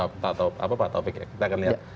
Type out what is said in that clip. pak taufik kita akan lihat